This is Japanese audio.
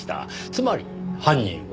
つまり犯人は。